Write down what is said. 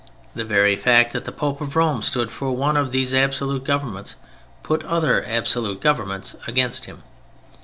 The very fact that the Pope of Rome stood for one of these absolute governments put other absolute governments against him.